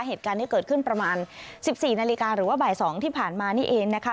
เหตุการณ์ที่เกิดขึ้นประมาณ๑๔นาฬิกาหรือว่าบ่าย๒ที่ผ่านมานี่เองนะคะ